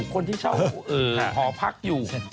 คนที่เช่าหอพักอยู่